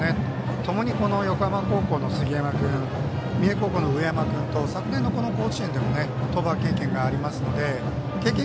ともに横浜高校の杉山君三重高校の上山君と昨年の甲子園でも登板経験がありますので経験